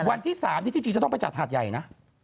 วันที่๓ที่จริงจะต้องไปจัดหาดใหญ่นะ